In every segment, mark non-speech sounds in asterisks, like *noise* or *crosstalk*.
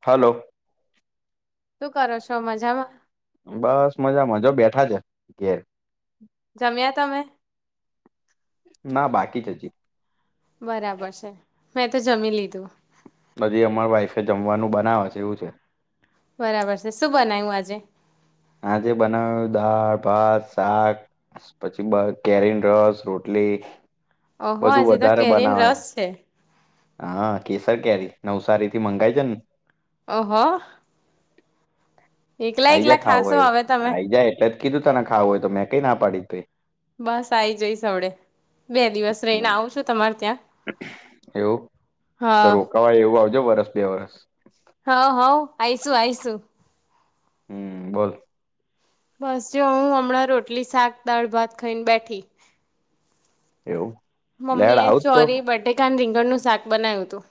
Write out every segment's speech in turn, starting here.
Hello શું કરો છો મજામાં બસ મજા મજા બેઠા છે ઘેર જમ્યા તમે ના બાકી જ હજી બરાબર છે મેં તો જમી લીધું બધી અમાર વાઈફે જમવાનું બનાવે છે એવું છે બરાબર છે સુ બનાયું આજે આજે બનાવેું દાળ ભાત શાક પછી કેરીન રસ રોટલી ઓહો બધું આજે તો વધારે કેરીન બનાવે રસ છે હા કેસર કેરી નવસારી થી મંગાઈ છે ને ઓહ આઈ જા ખાવું હોય હવે તમે આઈ જા એટલે જ કીધું તને ખાવું હોય તો મેં કઈ ના પાડી તું એ બસ આઈ જઈશ હડે બે દિવસ રહીને આવું છું તમારે ત્યાં એવું તો હા રોકાવા એવું આવજો વરસ બે વરસ હા હ આઈશું આઈશું હમ બોલ બસ જો હું હમણાં રોટલી શાક દાળ ભાત ખાઈને બેઠી એવું લેડ મમ્મી એ આવું જ તો ચોરી બટાકા રીંગણનુંું શાક બનાવ્યું હતું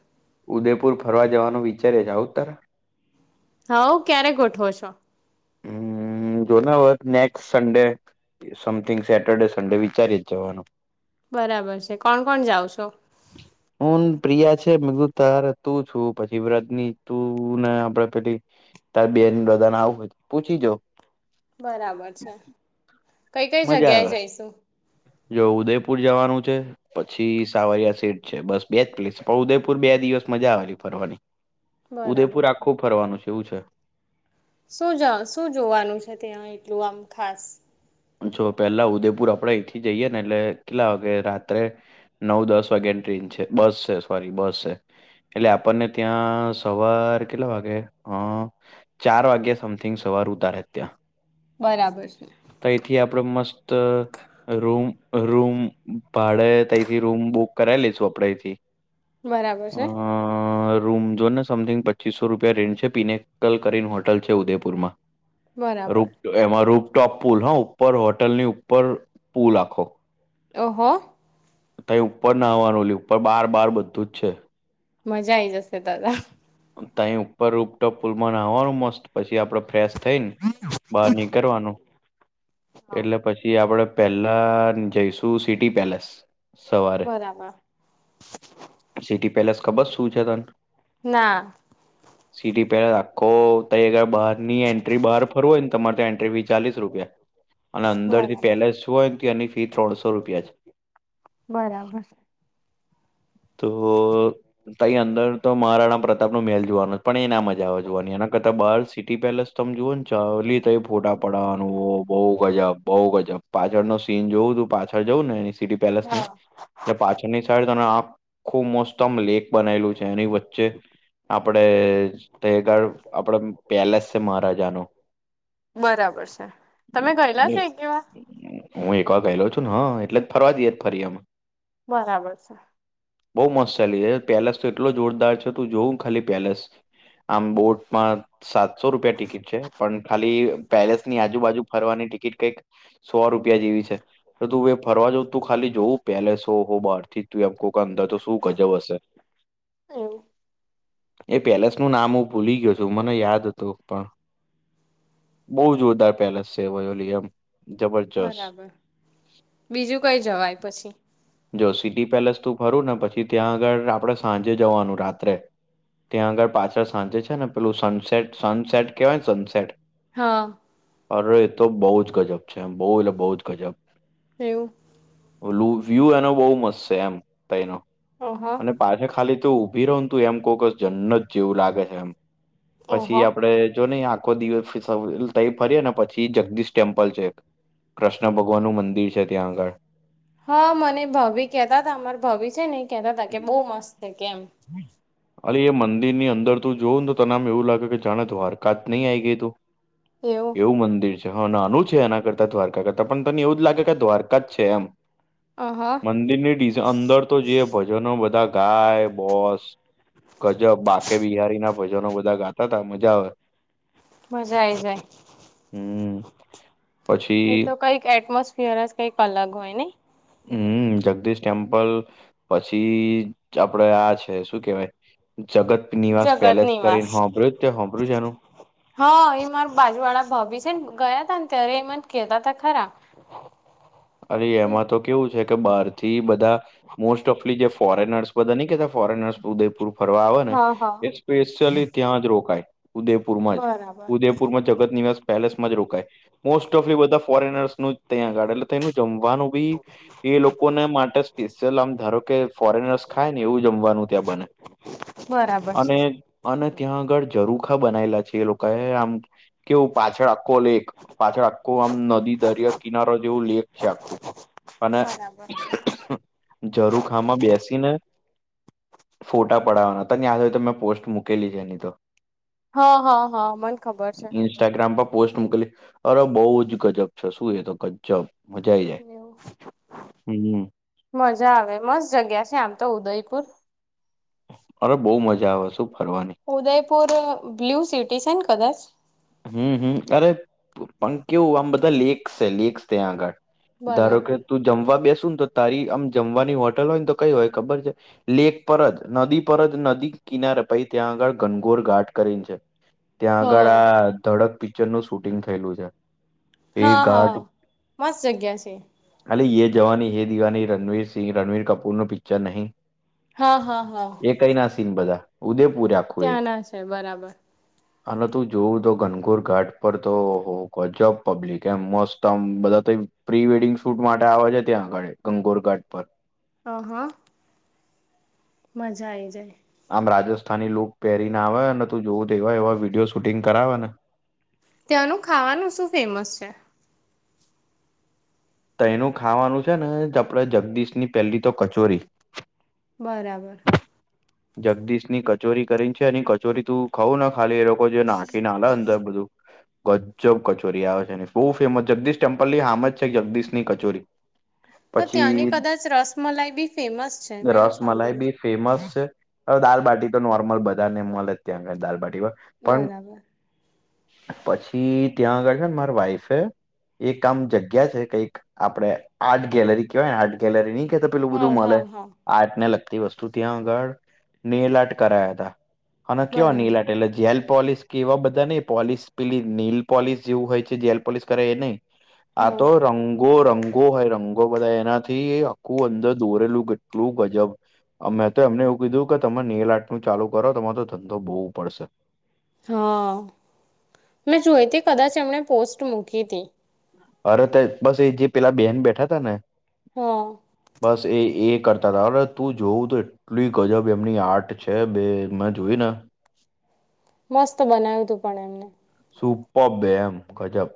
ઉદયપુર ફરવા જવાનું વિચારી છે આવું તાર હ ક્યારે ગોઠવો છો હમ હ જોના હો next Sunday something Saturday Sunday વિચારી જ જવાનું બરાબર છે કોણ કોણ જાાવ છો હું પ્રિયા છેધું તારે તું છું પછી વ્રતની તું ને આપડે પેલી તારી બે ને દધાને આવું હોય પૂછી જા બરાબર છે કઈ કઈ મજા જગ્યાએ આવે જઈશુ જો ઉદયપુર જવાનું છે પછી સાવરિયા શેઠ છે બસ બે જ પ્લેસ પણ ઉદયપુર બે જ દિવસ મજા આવેલી ફરવાની ઉદયપુર બરાબર છે. આખું ફરવાનું છે એવું છે શું શું જોવાનું છે ત્યાં એટલું આમ ખાસ જો પેલા ઉદેપુર આપણેે એહીથી જઈએ ને એટલે કેટલા વા કેે રાત્રે નવ દસ વાગ્યા ટ્રેન છે બસ છે સોરી બસ છે એટલે આપણને ત્યાં સવાર કેટલા વાગે ચાર વાગે સમથિંગ વાર ઉતારે ત્યાં બરાબર છે. તથી આપડે મસ્ત રૂમ રૂમ ભાડે, ત્યથી રૂમ બુક. કરાય લેજો, આપના અહીંથી. બરાબર છે. રૂમ જોને, સમથિંગ પચીસો રૂપિયા રેટ છે. પિનેકલ કરીને હોટલ છે, ઉદયપુર માં બરાબર રૂમ એમાં રૂપટોપ. પુલનો ઉપર હોટલની ઉપર પુલ આખો. ઓહો. ત્યાં ઉપર ના આવવાનું. લે, ઉપર બાર-બાર બધું જ છે. મજા આ આવી જશે, દાદા. ત્યા ઉપર ઉપટો પુલ માં નહવાનું મસ્ત પેલુ એકદમ ફ્રેશ થઈ ને બહાર નીકળવાનું. હા એટલે પછી આપડે પહેલા જઈશું. સિટી પેલેસ સવારે, બરાબર સિટી પેલેસ. ખબર શું છે તને? ના. સિટી પેલેસ આખો ત્યાં અગર બહાર ની એન્ટ્રી. બહાર ફરવું હોય ને, તમારે તે એન્ટ્રી. ચાલીસ રૂપિયા અને અંદર થી બરાબર પેલેસ હોય એની. ફી ત્રણસો રૂપિયા છે. બરાબર તો તઈ અંદર તો મારા નામનું. તેમ નુ મેલુ જોવાનું પણ, એના મજા આવે જોવાની. એના કરતાં બાર સિટી પેલેસ તમે જુઓ ને, ચાલે તો ફોટા. પડવાનું બહુ ગજબ, બહુ ગજબ પાછળ નો સીન જોવું. તું પાછળ જઉું ને એની સિટી પેલેસની હા એટલે પાછળની સાઈડ તને આ ખુબ મોસ્ત એમ લેક બનાવેલું છે એની વચ્ચે. આપડે તગ આપડે પેલેસ છે મહારાજા નુ. બરાબર છે, તમે ગયેલા છો એક બે વાર? હ, એટલે જ ફરવા જઈએે ફરી એમ. બરાબર છે. બહુ મસ્ત ચાલી છે પેલેસ તો. એટલો જોરદાર છે તું જોઉું ખાલી પેલેસ, આમ બોટમાં. સાતસો રૂપિયા ટિકિટ છે, પણ ખાલી પેલેસ ની આજુબાજુ ફરવાની ટિકિટ કઈક સો રૂપિયા. પહેલી જેવી છે તો તું ફરવા જવુ. તું ખાલી જોવું પેલેસો હો બહાર થી તું એમ કોક અંદર તો શું? ગજબ હશે. એવું એ પેલેસનું નામ હું ભૂલી ગયો છું. મને યાદ હતું, પણ બહુ જોરદાર પેલેસ છે, વયોલિયમ. બરાબર, બીજું કંઈ જવાય પછી. જો સિટી પેલેસ તું ફરું ને, પછી ત્યાં આગળ આપણે સાંજે જવાનું, રાત્રે. ત્યાં આગળ પાછળ સાંચે છે ને, પેલું સનસેટ સનસેટ કેવાય, સનસેટ. હા. અરે એ તો બહુ જ ગજબ છે એમ. બઉુ એટલે બહુ જ ગજબ. એવું. ઓ, એનુ વ્યુ એનો બહુ મસ્ત છે એમ. ત્યનો એનો ઓહ અને પાછળ ખાલી તું ઊભી રહો તો, તું એમ કોકસ જન્નત જ જેવું લાગે છે એમ. પછી ઓહ આપડે જો નહીં. આખો દિવસ ત્ય ફરીએ ને, પછી જગદીશ ટેમ્પલ છે. કૃષ્ણ ભગવાનનું મંદિર છે, ત્યાં આગળ. હા, મને ભાભી કહેતા હતા. અમારા ભાભી છે ને, એ કેતા હતા કે બહુ મસ્ત છે એમ. અલી, એ મંદિર ની અંદર તું જોઉને, તને એવું લાગે કે જાણે તો હરકાત નહીં, આવી ગઈ તું. એવું મંદિર છે. હ, નાનું છે. એના કરતા દ્વારકા કરતાં પણ તને એવું જ લાગે કે દ્વારકા જ છે એમ. અહા મંદિરની અંદર તો જેઈ ભજનો બધા ગાય, બોસ. ગજબ બાકે બિહારીના ભજનો બધા ગાતા તા મજા આવે. મજા આઈ જાય. હમ એ પછી તો કઈક એટમોસ એ વરસ કઈક અલગ હોય ને. હમ્મ જગદીશ ટેમ્પલ પછી આપડે આ છે શું કેવાય? જગત નિવાસ જગત પેલેસ નિવાસ કરીને હોંભરું જ છે હોંભરું છે એનું હા એ માર બાજુ વાળા ભાભી છે ને ગયા તા ને ત્યારે એમાં જ કેતા તા ખરા. અરે કે એમાં તો કેવું છે કે બહાર થી બધા મોસ્ટ ઓફલી જે ફોરેનર્સ બધા નહી કેતા ફોરેનર્સ ઉદયપુર ફરવા આવેને હા હા એ સ્પેશિયલી ત્યાં જ રોકાય. ઉદયપુરમાં જ. બરાબર ઉદયપુરમાં જગત નિવાસ પેલેસમાં જ રોકાય મોસ્ટ ઓફલી એ બધા ફોરેનર્સનો જ ત્યાં ગાડે તેનું જમવાનું બી એ લોકોને માટે સ્પેશિયલ આમ ધારો કે ફોરેનર્સ ખાય ને એવું જમવાનું ત્યાં બને. બરાબર છે અને અને ત્યાં આગળ જરૂખા બનાએલા છે એ લોકોએ આમ કેવું પાછળ આપ આખો લેક પાછળ આખું આમ નદી, દરિયો કિનારો જેવું લેક ચાકુ અને બરાબર જરૂખામાં બેસીને ફોટા પડાવવાના હતા ત્યાં જોય તો મેં પોસ્ટ મૂકેલી છે એની તો. હા હા હા મને ખબર છે. ઇન્સ્ટાગ્રામ પર પોસ્ટ મોકલી. અરે બહુ જ ગજબ છે શું એ તો ગજબ મજા આઈ જાય એવું. હમ મજા આવે. મસ્ત જગ્યા છે આમ તો ઉદયપુર. અરે બઉ મજા આવે શું ફરવાની ઉદયપુર બ્લુ સિટી છે ને કદાચ. હમ્મ હમ્મ અરે પણ કેવું આમ બધા લેક્સ છે લેક્સ ત્યાં આગળ. ધારો કે બરાબર તું જમવા બેસ બેશુંન તો તારી આમ જમવાની હોટલ હોય ને તો કઈ હોય ખબર છે લેક પર જ નદી પર જ નદી કિનારે પહી ત્યાં આગળ ઘનઘોર ઘાટ કરીને છે. ત્યાં આગળ હા આ ધડક પિક્ચરનું શૂટિંગ થયેલું છે. એ ઘાટ હા-હા મસ્ત જગ્યા છે. ખાલી યે જવાની યે દિવાની રણવીર સિંહ રણવીર કપૂરનુ પિક્ચર નહીં હા હા હા એ કઈના સીન બધા ઉદેપુ ત્યાંના છે બરાબર. અને તું જોવું તો ઘનગોર ઘાટ પર તો ઓહ ગજબ પબ્લિક એમ મસ્ત આમ બધા તો પ્રી વેડિંગ શૂટ માટે આવ જ છે ત્યાં આગાડી ગનગોર ઘાટ પર. અ હ. મજા આવી જાય. આમ રાજસ્થાની લુક પહેરીને આવે અને તું જોવું તો એવા-એવા વિડિઓ શૂટિંગ કરાવેને ત્યાંનું ખાવાનું શું ફેમસ છે? તઈનું ખાવાનું છે ને આપણે જગદીશની પેલી તો કચોરી બરાબર. જગદીશની કચોરી કરીને છે એની કચોરી તું ખઉું ન ખાલી એ લોકો જે નાખીને આલે ન અંદર બધું. ગજબ કચોરી આવે છે એની બહુ ફેમસ જગદીશ ટેમ્પલની હામે જ છે જગદીશની કચોરી. તો ત્યાંની પછી કદાચ રસમલાઈ બી ફેમસ છે મેં એવું રસમલાઈ સાંભળ્યું બી છે ફેમસ છે. હવે દાલબાટી તો નોર્મલ બધાને મલે જ ત્યાં આગળ દાલબાટી તો પણ બરાબર પછી ત્યાં આગળ છે ને મારા વાઈફે એક આમ જગ્યા છે. કઈક આપડે આર્ટ ગેલરી કેવાય આર્ટ ગેલરીની તો પેલું બધું હા મલે હા હા આર્ટને લગતી વસ્તુ ત્યાં આગળ નેલ આર્ટ કરાયા હતા. અને કેવા બરાબર નેલઆર્ટ એટલે જેલ પોલિશ કે એવા બધા નહીં પોલિશ પેલી નેઇલ પોલિશ જેવું હોય છે જેલ પોલિશ કરે એ નહીં. આ હા તો રંગો રંગ રંગો હોય રંગો બધા એનાથી આખું અંદર દોરેલું કેટલું ગજબ મે તો એમને કીધું કે તમે નેઇલ આર્ટનું ચાલુ કરો તમારો તો ધંધો બહવુ પડશે. હા મેં જોઈતી કદાચ એમણે પોસ્ટ મૂકી હતી. અરે તે બસ એ જે પેલા બેન બેઠા હતાા ને હા બસ એ એક કરતા હતા અ તું જોઉું તો એટલી ગજબ એમની આર્ટ છે બે મેં જોઈ ને *unintelligible* મસ્ત બનાવ્યું તું પણ એમને. સુપર બે એમ ગજબ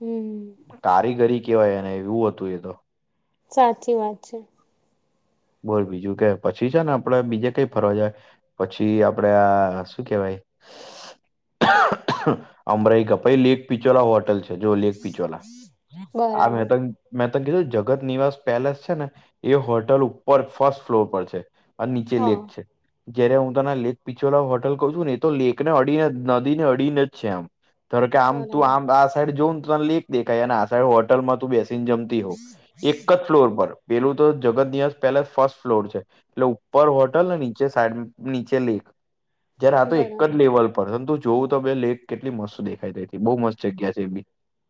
હમ કારીગરી. કેવાય એ એવું હતું એ તો. સાચી વાત છે. બોલ બીજું કે પછી છે ને આપડે બીજે કઈ ફરવા જાય પછી આપડે આ શું કેવાય? અમરાઈ કપાઈ લેખ એક પિચોલા હોટલ છે. જો લેખ પીછોલા આ બરાબર મેં તને કીધું જગત નિવાસ પેલેસ છે ને એ હોટલ ઉપર ફર્સ્ટ ફ્લોર પર છે. અને નીચે હા લેખ છે. જયારે હું તને લેક પીચોલા હોટલ કઉ છું ને તો લેક ને અડીને જ નદી ને અડીને જ છે આમ. કે આમ તું બરાબર આમ આ સાઈડ જોઉ તને લેક દેખાય ને આ સાઈડ હોટલમાં તું બેસે. જમતી હો એક જ ફ્લોર પર પેલું તો જગત નિવાસ. પેલા ફર્સ્ટ ફ્લોર છે એટલે ઉપર હોટલ ને નીચે સાઈડ નીચે લેક. જયારે આ તો એક જ બરાબર લેવલ પર અને તું. જોવું તો બે લેક કેટલી મસ્ત દેખાઈ રહી હતી બહુ મસ્ત જગ્યા છે એ બી.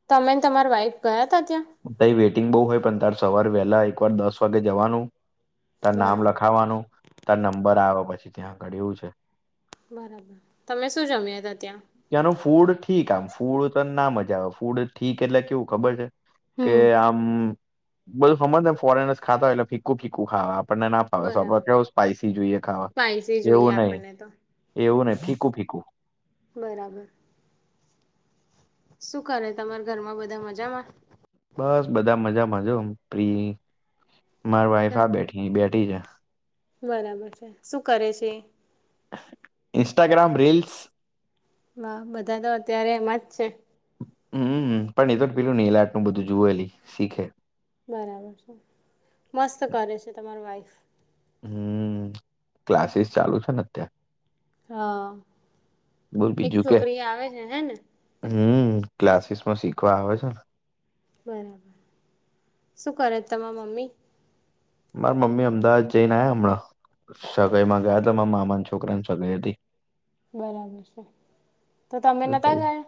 તમે અને તમારા વાઈફ ગયા હતા ત્યાં? તઈ વેઇટિંગ બહુ હોય પણ તારે સવારે વહેલા એક વાર દસ વાગે જવાનું. ત્યાં નામ બરાબર લખાવાનું ત્યા નંબર આવે પછી ત્યાં આગળ એવું છે બરાબર તમે શું જમ્યા હતા ત્યાં? ત્યાંનું ફૂડ ઠીક આમ ફૂડ તને ના મજા આવે ફૂડ ઠીક એટલે કેવું ખબર છે? કે હમ આમ બધું સમજ એમ ફોરેનર્સ ખાતા હોય એટલે ફીકું ફીકું ખાવા. આપને ના ફાવેડ બરાબર કેવ સ્પાઈસી જોઈએ ખાવા સ્પાઈસી જોઈએ એવું નહી આપણને તો એવું નહી. ફીકું ફીકુ. બરાબર. શું કરે તમારા ઘરમાં બધા મજામાં? બસ બધા મજા મજો પ્રિ મારી વાઈફ આ બેઠી. બેથી છે. બરાબર છે શું કરે છે? Instagram reels. હ બધા તો અત્યારે એમાં જ છે. હમ પણ એ તો પેલું નેઇલ આર બધું જુવે એલી શીખે. બરાબર છે મસ્ત કરે છે તમારા વાઈફ. હમ ક્લાસીસ ચાલુ છે ને અત્યારે. હા બોલ એક બીજું કે છોકરી આવે છે હે ને? હમ ક્લાસીસમાં શીખવા આવે છે ને. બરાબર શું કરે છે તમારા મમ્મી? મારા મમ્મી અમદાવાદ જઈને હમણાં. સગાઈ માં ગયા હતા મામા છોકરાને સગાઈ હતી. બરાબર છે. તો તમે નતા ગયા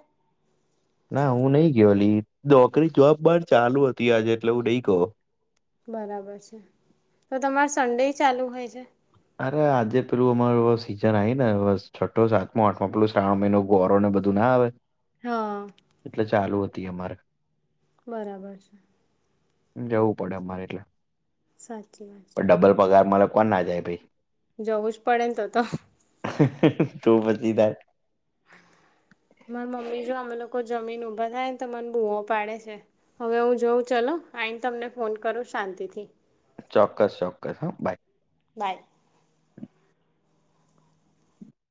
ના હું નહી ગયો અલી. નોકરી જોબ બાર ચાલુ હતી આજે એટલે હું નઈ ગયો. બરાબર છે તો તમારે સંન્ડે ચાલુ હોય છે? અરે આજે પેલું અમારું સીઝન આવી ને બસ છઠ્ઠો સાતમો આઠમાં પેલું શ્રાવણ મહિનો ગોરો ને બધું ના આવે હા એટલે ચાલુ હતી અમર બરાબર છે જવું પડે અમારે એટલે સાચી વાત છે કો ના જાય ભાઈ જવું જ પડે ને તો તો તો પચી જાય માર મમ્મી જો આમ લોકો જમીન ઉભા થાય ને તો મને બૂવો પાડે છે હવે હું જોઉં ચલો આઈને તમને ફોન કરું સાંત તીથીથી ચોક્કસ ચોક્કસ હા બાય બાય *inaudible*